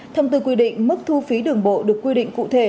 thông tư quy định mức thu phí đường bộ được quy định cụ thể